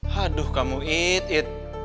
haduh kamu it it